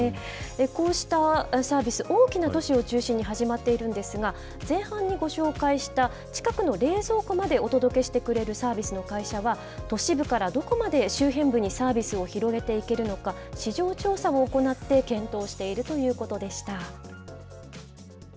こうしたサービス、大きな都市を中心に始まっているんですが、前半にご紹介した、近くの冷蔵庫までお届けしてくれるサービスの会社は、都市部からどこまで周辺部にサービスを広げていけるのか、市場調査を行って検討しているということでした。